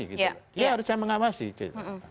dia yang harus mengawasi